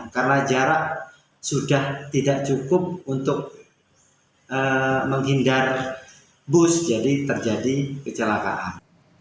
karena jarak sudah tidak cukup untuk menghindar bus jadi terjadi kecelakaan